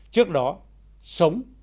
trước đó sống